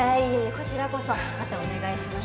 こちらこそまたお願いします